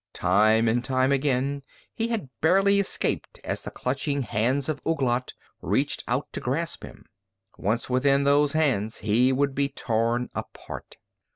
Time and time again he had barely escaped as the clutching hands of Ouglat reached out to grasp him. Once within those hands he would be torn apart.